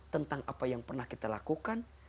tentang apa yang pernah kita lakukan